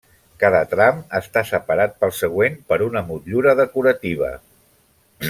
Cada tram està separat pel següent per una motllura decorativa.